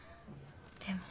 でも。